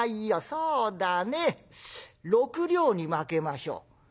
そうだね６両にまけましょう」。